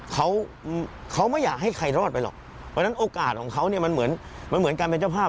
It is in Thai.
เขาเขาไม่อยากให้ใครรอดไปหรอกเพราะฉะนั้นโอกาสของเขาเนี่ยมันเหมือนมันเหมือนการเป็นเจ้าภาพ